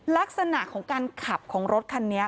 ลักษณะของการขับของรถคันนี้